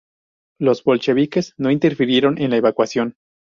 Los bolcheviques no interfirieron la evacuación.